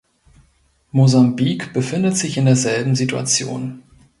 Mosambik befindet sich in derselben Situation.